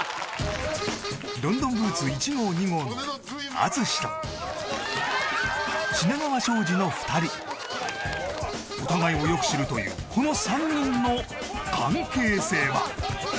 ロンドンブーツ１号２号の淳と品川庄司の２人お互いをよく知るというこの３人の関係性は？